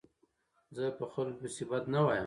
زه په خلکو پيسي بد نه وایم.